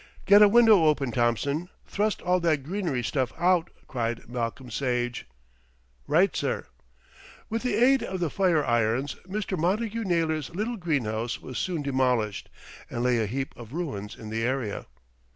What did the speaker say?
"Get a window open, Thompson; thrust all that greenery stuff out," cried Malcolm Sage. "Right, sir." With the aid of the fire irons, Mr. Montagu Naylor's little greenhouse was soon demobilised and lay a heap of ruins in the area.